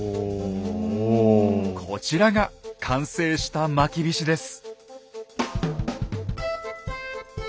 こちらが完成したまきびしです。